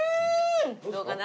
どうかな？